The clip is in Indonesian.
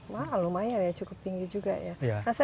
mahal lumayan ya cukup tinggi juga ya